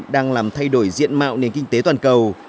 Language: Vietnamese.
đang làm thay đổi diện mạo nền kinh tế toàn cầu